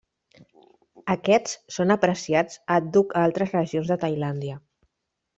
Aquests són apreciats àdhuc a altres regions de Tailàndia.